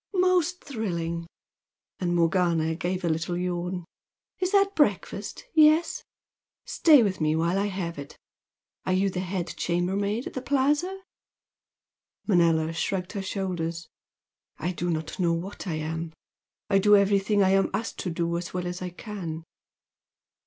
"Most thrilling!" And Morgana gave a little yawn. "Is that breakfast? Yes? Stay with me while I have it! Are you the head chambermaid at the Plaza?" Manella shrugged her shoulders. "I do not know what I am! I do everything I am asked to do as well as I can."